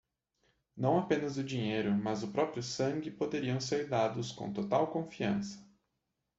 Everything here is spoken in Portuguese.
Não apenas o dinheiro, mas o próprio sangue, poderiam ser dados com total confiança.